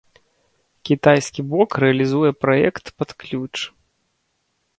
Кітайскі бок рэалізуе праект пад ключ.